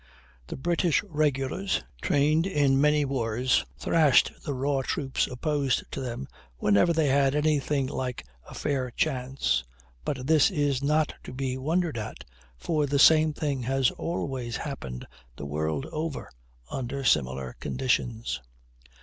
The British regulars, trained in many wars, thrashed the raw troops opposed to them whenever they had any thing like a fair chance; but this is not to be wondered at, for the same thing has always happened the world over under similar conditions.